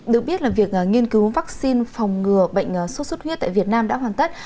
được biết là việc nghiên cứu vaccine phòng ngừa bệnh sốt xuất huyết tại việt nam đã hoàn tất